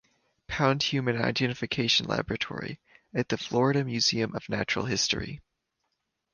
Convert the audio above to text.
Pound Human Identification Laboratory at the Florida Museum of Natural History.